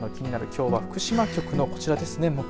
きょうは福島局のこちらですね。